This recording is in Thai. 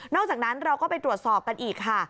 อกจากนั้นเราก็ไปตรวจสอบกันอีกค่ะ